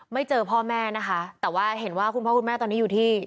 เจอพ่อแม่นะคะแต่ว่าเห็นว่าคุณพ่อคุณแม่ตอนนี้อยู่ที่